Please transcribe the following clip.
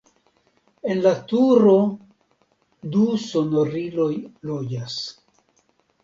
En la turo du sonoriloj loĝas.